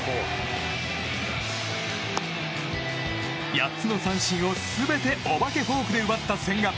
８つの三振を全ておばけフォークで奪った千賀。